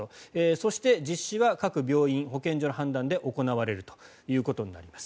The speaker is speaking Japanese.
そして実施は各病院、保健所の判断で行われるということになります。